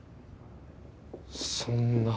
そんな。